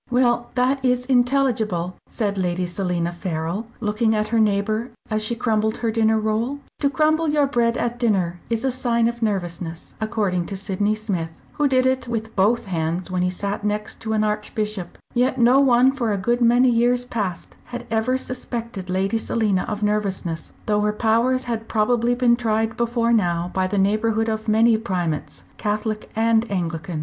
"Well, that is intelligible," said Lady Selina Farrell, looking at her neighbour, as she crumbled her dinner roll. To crumble your bread at dinner is a sign of nervousness, according to Sydney Smith, who did it with both hands when he sat next an Archbishop; yet no one for a good many years past had ever suspected Lady Selina of nervousness, though her powers had probably been tried before now by the neighbourhood of many Primates, Catholic and Anglican.